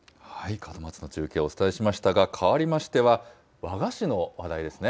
門松の中継をお伝えしましたが、かわりましては、和菓子の話題ですね。